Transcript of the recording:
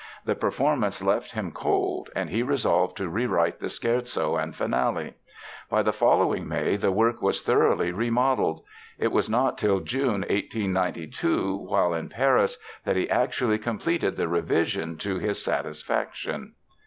The performance left him cold and he resolved to rewrite the Scherzo and Finale. By the following May the work was thoroughly remodelled. It was not till June, 1892, while in Paris, that he actually completed the revision to his satisfaction.